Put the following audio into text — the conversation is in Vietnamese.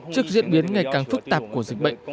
trước diễn biến ngày càng phức tạp của dịch bệnh